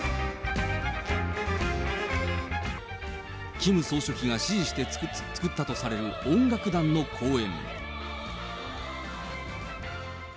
キム総書記が指示して作ったとされる音楽団の公演。